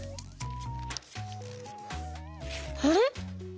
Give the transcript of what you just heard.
あれ？